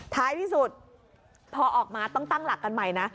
ท้ายที่สุดพอออกมาต้องตั้งหลักกันใหม่นะ